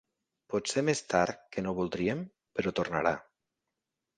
Potser més tard que no voldríem, però tornarà.